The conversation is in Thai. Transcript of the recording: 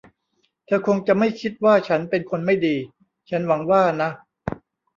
เธอคงจะไม่คิดว่าฉันเป็นคนไม่ดี ฉันหวังว่านะ ?